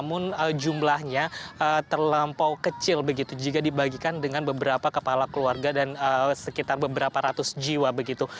namun jumlahnya terlampau kecil begitu jika dibagikan dengan beberapa kepala keluarga dan sekitar beberapa ratus jiwa begitu